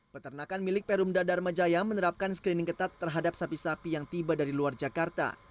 peternakan milik perumda dharma jaya menerapkan screening ketat terhadap sapi sapi yang tiba dari luar jakarta